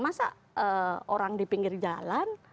masa orang di pinggir jalan